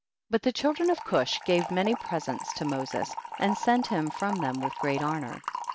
11. But the children of Cush gave many presents to Moses, and sent him from them with great honor.